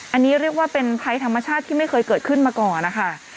อันนี้เรียกว่าเป็นภัยธรรมชาติที่ไม่เคยเกิดขึ้นมาก่อนนะคะ